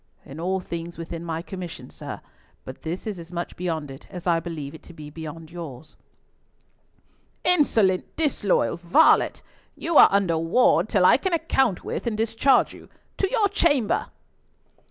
"In all things within my commission, sir; but this is as much beyond it, as I believe it to be beyond yours." "Insolent, disloyal varlet! You are under ward till I can account with and discharge you. To your chamber!"